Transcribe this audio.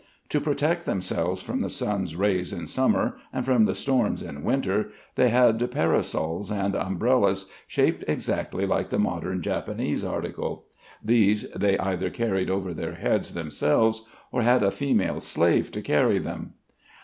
To protect themselves from the sun's rays in summer and from the storms in winter they had parasols and umbrellas, shaped exactly like the modern Japanese article. These they either carried over their heads themselves, or had a female slave to carry them.